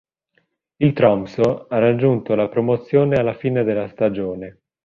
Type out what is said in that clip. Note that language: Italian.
Il Tromsø ha raggiunto la promozione alla fine della stagione.